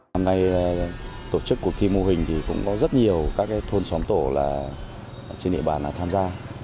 hôm nay tổ chức cuộc thi mô hình thì cũng có rất nhiều các thôn xóm tổ trên địa bàn tham gia